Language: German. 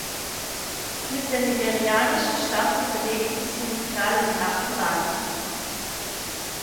Mit der nigerianischen Staffel belegte sie im Finale den achten Rang.